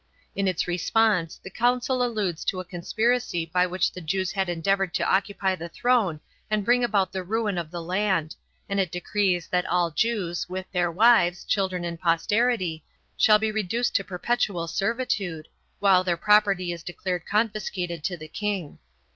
In its response the council alludes to a conspiracy by which the Jews had endeavored to occupy the throne and bring about the ruin of the land, and it decrees that all Jews, with their wives, children and posterity, shall be reduced to perpetual servitude, while their property is declared confiscated to the king.